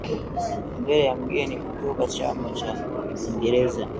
mbele ya mgeni kutoka chama cha Uingereza